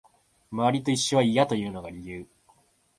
周りと一緒は嫌というのが理由